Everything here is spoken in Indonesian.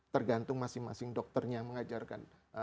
tergantung masing masing dokternya mengajarkan